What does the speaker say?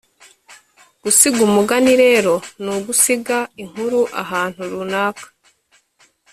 gusiga umugani rero ni ugusiga inkuru ahantu runaka